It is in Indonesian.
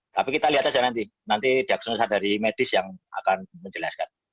tapi kita lihat saja nanti nanti diakses dari medis yang akan menjelaskan